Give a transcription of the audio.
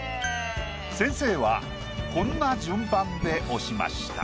先生はこんな順番で押しました。